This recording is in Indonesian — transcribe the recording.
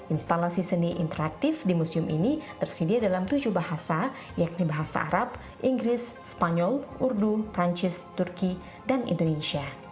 instalasi seni interaktif di museum ini tersedia dalam tujuh bahasa yakni bahasa arab inggris spanyol urdu perancis turki dan indonesia